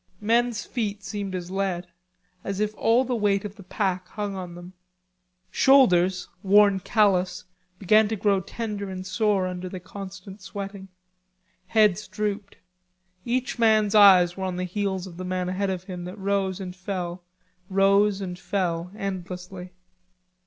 Men's feet seemed as lead, as if all the weight of the pack hung on them. Shoulders, worn callous, began to grow tender and sore under the constant sweating. Heads drooped. Each man's eyes were on the heels of the man ahead of him that rose and fell, rose and fell endlessly.